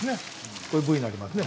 こういう部位になりますね。